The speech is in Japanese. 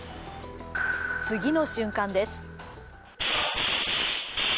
次の瞬間です。